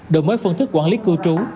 đổi mới phương thức quản lý cư trú